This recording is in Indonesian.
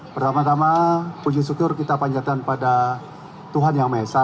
pertama tama puji syukur kita panjatan pada tuhan yang mesa